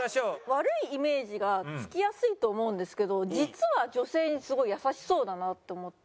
悪いイメージがつきやすいと思うんですけど実は女性にすごい優しそうだなと思って。